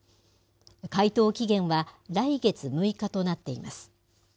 回答期限は来月６日となっています。